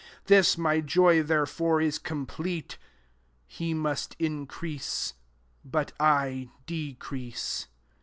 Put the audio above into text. This my ny, therefore, is conrplete. 30 He nrast increase, but I de crease.